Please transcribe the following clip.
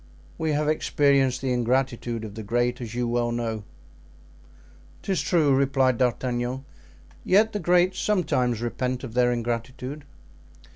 We have experienced the ingratitude of 'the great,' as you well know." "'Tis true," replied D'Artagnan. "Yet the great sometimes repent of their ingratitude."